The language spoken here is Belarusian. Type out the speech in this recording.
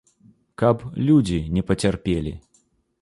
Каб людзі не пацярпелі.